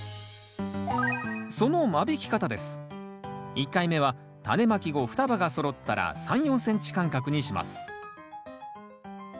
１回目はタネまき後双葉がそろったら３４ｃｍ間隔にします